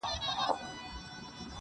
• موږکان ډېر دي حیران ورته سړی دی..